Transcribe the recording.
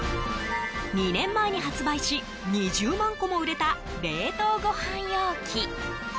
２年前に発売し２０万個も売れた冷凍ごはん容器。